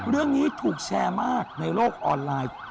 เรื่องนี้ถูกแชร์มากในโลกออนไลน์